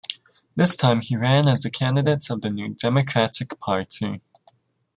This time, he ran as the candidate of the New Democratic Party.